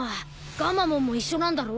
ガンマモンも一緒なんだろ？